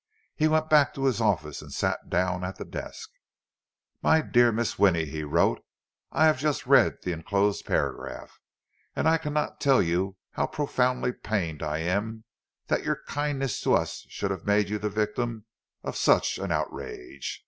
He went back to his office, and sat down at the desk. "My dear Mrs. Winnie," he wrote. "I have just read the enclosed paragraph, and I cannot tell you how profoundly pained I am that your kindness to us should have made you the victim of such an outrage.